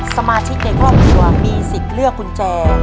สมาชิกในครอบครัวมีสิทธิ์เลือกกุญแจ